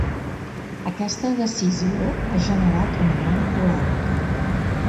Aquesta decisió ha generat una gran polèmica.